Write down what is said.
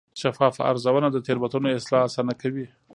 شفافه ارزونه د تېروتنو اصلاح اسانه کوي.